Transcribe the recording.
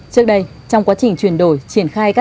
trước đây trong quá trình truyền đổi triển khai các dự án